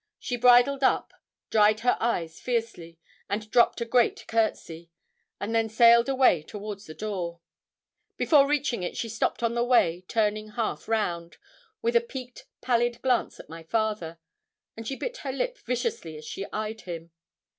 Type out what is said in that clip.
She bridled up, dried her eyes fiercely, and dropped a great courtesy, and then sailed away towards the door. Before reaching it she stopped on the way, turning half round, with a peaked, pallid glance at my father, and she bit her lip viciously as she eyed him.